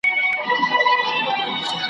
چي هر څومره یې خوړلای سوای د ده وه ,